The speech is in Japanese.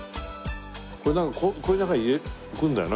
この中に入れて食うんだよな？